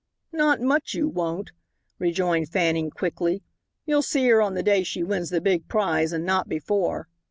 "Not much you won't," rejoined Fanning, quickly, "you'll see her on the day she wins the big prize and not before."